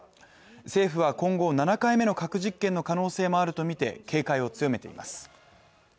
政府は今後７回目の核実験の可能性もあるとみて警戒を強めています